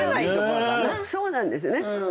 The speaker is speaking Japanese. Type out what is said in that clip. そうなんですよね。